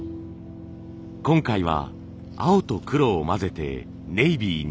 今回は青と黒を混ぜてネイビーに。